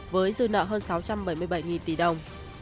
với dư nợ hơn sáu trăm bảy mươi bảy tỷ đồng